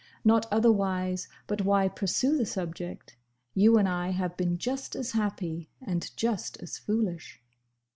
Not otherwise—but why pursue the subject? You and I have been just as happy, and just as foolish.